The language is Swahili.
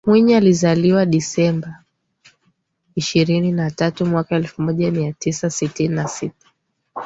Mwinyi alizaliwa Dasemba ishirini na tatu mwaka elfu moja mia tisa sitini na sita